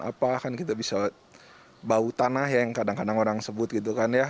apa kan kita bisa bau tanah yang kadang kadang orang sebut gitu kan ya